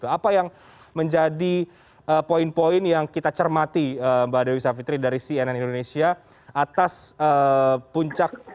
apa yang menjadi poin poin yang kita cermati mbak dewi savitri dari cnn indonesia atas puncak